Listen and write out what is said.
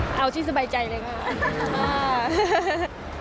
เอาที่สบายใจเลยค่ะ